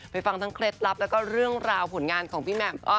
ฟังทั้งเคล็ดลับแล้วก็เรื่องราวผลงานของพี่แหม่ม